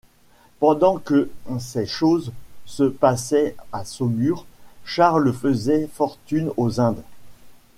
Pendant que ces choses se passaient à Saumur, Charles faisait fortune aux Indes.